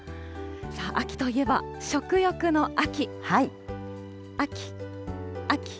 秋といえば、食欲の秋。